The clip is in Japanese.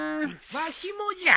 わしもじゃ。